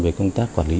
về công tác quản lý